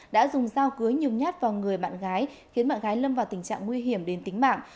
đã dùng dao cứa nhiều nhát vào người bạn gái khiến bạn gái lâm vào tình trạng nguy hiểm đến tính mạng